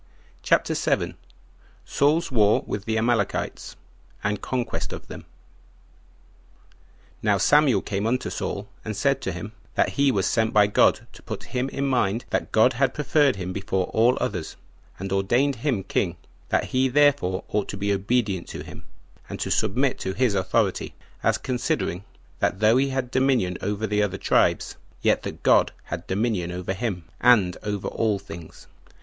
CHAPTER 7. Saul's War With The Amalekites, And Conquest Of Them. 1. Now Samuel came unto Saul, and said to him, that he was sent by God to put him in mind that God had preferred him before all others, and ordained him king; that he therefore ought to be obedient to him, and to submit to his authority, as considering, that though he had the dominion over the other tribes, yet that God had the dominion over him, and over all things.